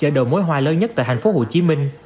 chợ đầu mối hoa lớn nhất tại thành phố hồ chí minh